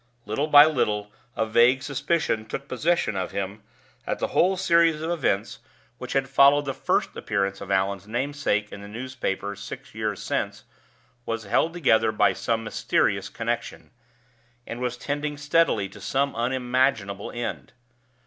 Little by little a vague suspicion took possession of him that the whole series of events which had followed the first appearance of Allan's namesake in the newspaper six years since was held together by some mysterious connection, and was tending steadily to some unimaginable end.